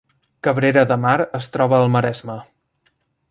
Cabrera de Mar es troba al Maresme